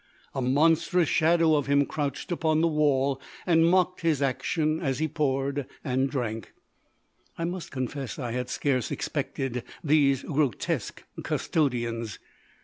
A monstrous shadow of him crouched upon the wall and mocked his action as he poured and drank. I must confess I had scarce expected these grotesque custodians.